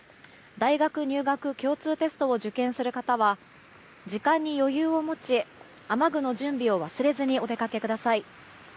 大学入学共通テストを受験する方は時間に余裕を持ち雨具の準備を忘れずにお出かけください。